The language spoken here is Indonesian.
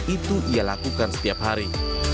itu ia lakukan setiap hari